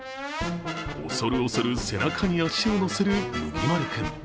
恐る恐る背中に足を乗せるむぎまる君。